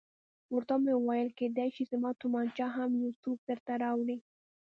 ورته ومې ویل کېدای شي زما تومانچه هم یو څوک درته راوړي.